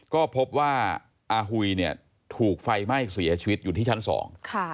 ก็พบว่าอาหุยเนี่ยถูกไฟไหม้เสียชีวิตอยู่ที่ชั้นสองค่ะ